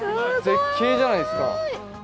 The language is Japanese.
絶景じゃないですか！